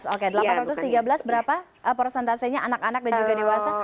delapan ratus tiga belas oke delapan ratus tiga belas berapa persentasenya anak anak dan juga dewasa